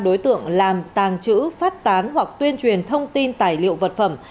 đối tượng làm tàng trữ phát tán hoặc tuyên truyền thông tin tài liệu vật phẩm